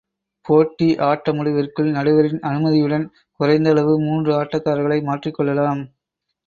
போட்டி ஆட்ட முடிவிற்குள் நடுவரின் அனுமதியுடன் குறைந்த அளவு மூன்று ஆட்டக்காரர்களை மாற்றிக் கொள்ளலாம்.